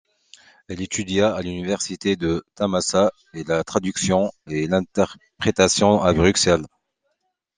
Elle étudia à l'Université de Thammasat et la traduction et l'interpretation à Bruxelles.